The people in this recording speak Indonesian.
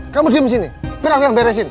kamu diam sini bener bener beresin